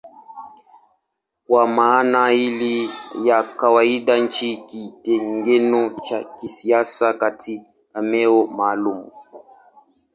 Kwa maana hii ya kawaida nchi ni kitengo cha kisiasa katika eneo maalumu.